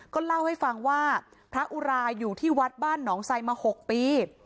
ก็เล่าให้ฟังว่าพระอุราอยู่ที่วัดบ้านหนองไซมา๖ปี